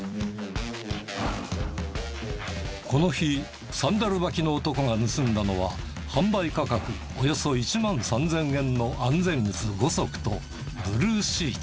この日サンダル履きの男が盗んだのは販売価格およそ１万３０００円の安全靴５足とブルーシート。